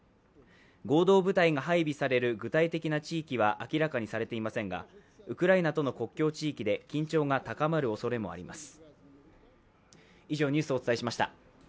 合同部隊が配備される具体的な地域は明らかにされていませんがウクライナとの国境地域で緊張が高まるおそれもあります。